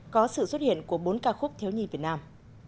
có sự xuất hiện của bốn ca khúc thiếu nhi việt nam